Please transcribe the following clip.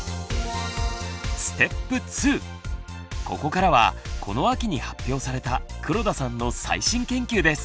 ここからはこの秋に発表された黒田さんの最新研究です。